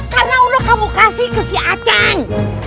karena udah kamu kasih ke si aceng